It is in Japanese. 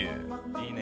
いいね。